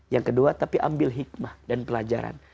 yang kedua tapi ambil hikmah dan pelajaran